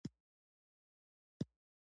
آیا د کاناډا پاسپورت ډیر قوي نه دی؟